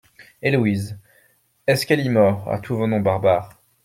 Et Louise, est-ce qu’elle y mord, à tous vos noms barbares ?